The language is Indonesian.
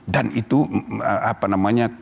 dan itu apa namanya